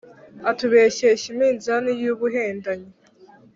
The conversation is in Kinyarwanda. atubeshyeshya iminzani y’ubuhendanyi,